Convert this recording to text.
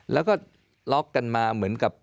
แล้วก็ล็อกกันมาเหมือนกับ